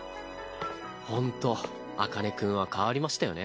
ほんと茜君は変わりましたよね